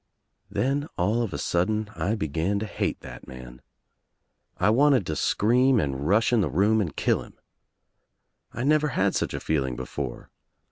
Then, all of a sudden, I began to hate that man. I wanted to scream and rush in the room and kill him. I never had such a feeling before.